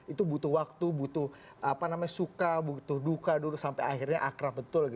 itu butuh waktu butuh suka butuh duka dulu sampai akhirnya akrab betul